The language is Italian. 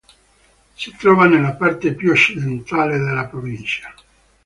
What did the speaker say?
Si trova nella parte più occidentale della provincia.